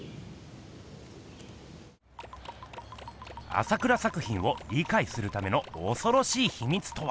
朝倉作品をりかいするためのおそろしいひみつとは。